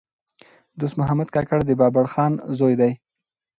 دوست محمد کاکړ د بابړخان زوی دﺉ.